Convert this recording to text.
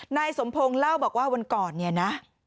นายสมพงศ์เล่าบอกว่าวันก่อน